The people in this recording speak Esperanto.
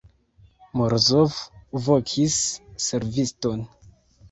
Morozov vokis serviston.